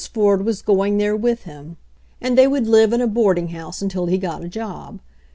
Ford was going there with him, and they would BACK TO DETROIT 65 live in a boarding house until he got a job.